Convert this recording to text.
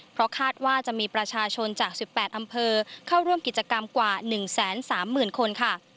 เพราะคาดว่าจะมีประชาชนจาก๑๘อำเภอเข้าร่วมกิจกรรมกว่า๑๓๐๐๐คนค่ะ